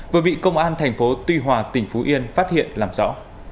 vừa bị công an thành phố tuy hòa tỉnh phú yên phát hiện làm rõ